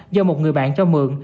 do một người bạn cho mượn